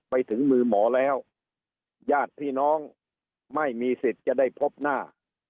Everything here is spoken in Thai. ไปถึงมือหมอแล้วญาติพี่น้องไม่มีสิทธิ์จะได้พบหน้า